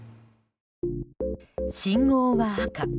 信号は、赤。